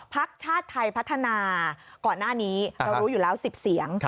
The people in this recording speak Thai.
พักชาติไทยพัฒนาก่อนหน้านี้เรารู้อยู่แล้ว๑๐เสียง